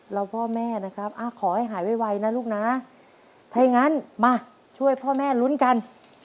แล้วพ่อแม่นะครับขอให้หายไวนะลูกนะถ้าอย่างนั้นมาช่วยพ่อแม่ลุ้นกัน